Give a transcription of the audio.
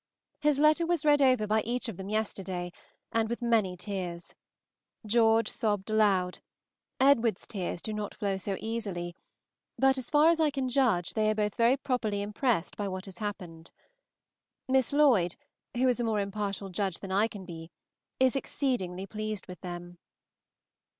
His letter was read over by each of them yesterday, and with many tears; George sobbed aloud, Edward's tears do not flow so easily; but as far as I can judge they are both very properly impressed by what has happened. Miss Lloyd, who is a more impartial judge than I can be, is exceedingly pleased with them.